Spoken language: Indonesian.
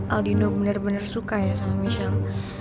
aldino bener bener suka ya sama michelle